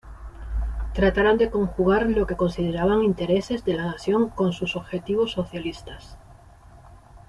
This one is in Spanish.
Trataron de conjugar lo que consideraban intereses de la nación con sus objetivos socialistas.